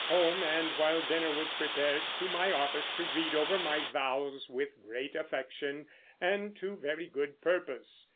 Home and, while dinner was prepared, to my office to read over my vows with great affection and to very good purpose.